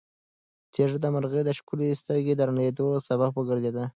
تیږه د مرغۍ د ښکلې سترګې د ړندېدو سبب وګرځېده.